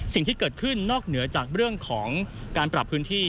สิ่งที่เกิดขึ้นนอกเหนือจากเรื่องของการปรับพื้นที่